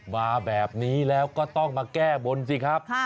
มาแบบนี้แล้วก็ต้องมาแก้บนสิครับ